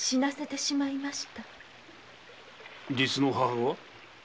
実の母は？